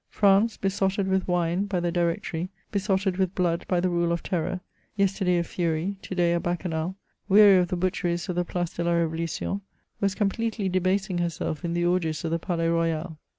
France, besotted with wine by the Directory, besotted with blood by the rule of Terror, yesterday a fury, to day a Bacchanal, weary of the butcheries of the Place de la Revolution, was completely debasing herself in the orgies of the Palais Royal.